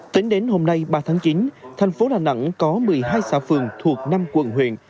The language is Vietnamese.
tính đến hôm nay ba tháng chín thành phố đà nẵng có một mươi hai xã phường thuộc năm quận huyện